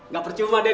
gak percuma den